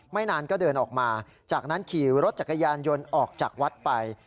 นานก็เดินออกมาจากนั้นขี่รถจักรยานยนต์ออกจากวัดไป